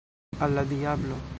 Al la diablo!